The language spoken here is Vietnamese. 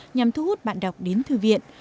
nhằm thu hút bạn đọc đến thư viện